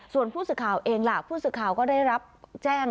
ส่วนผู้สื่อข่าวเองล่ะผู้สื่อข่าวก็ได้รับแจ้ง